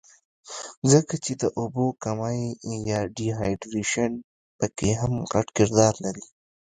ځکه چې د اوبو کمے يا ډي هائيډرېشن پکښې هم غټ کردار لري